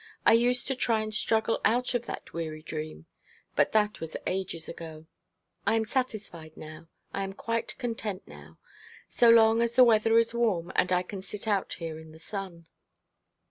I used to try and struggle out of that weary dream. But that was ages ago. I am satisfied now I am quite content now so long as the weather is warm, and I can sit out here in the sun.'